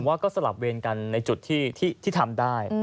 ว่าก็สลับเวรกันในจุดที่ทำได้